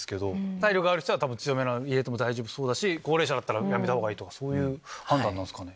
体力ある人は強めの入れても大丈夫そうだし高齢者だったらやめた方がいいそういう判断ですかね。